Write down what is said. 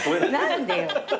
何でよ。